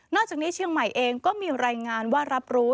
จากนี้เชียงใหม่เองก็มีรายงานว่ารับรู้